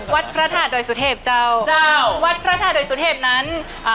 วัดพระธาตุดอยสุเทพเจ้าวัดพระธาตุดอยสุเทพนั้นอ่า